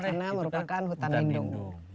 karena merupakan hutan lindung